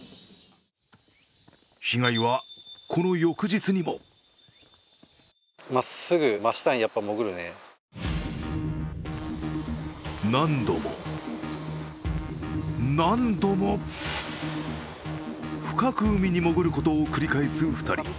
被害はこの翌日にも何度も何度も深く海に潜ることを繰り返す２人。